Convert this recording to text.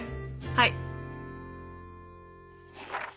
はい！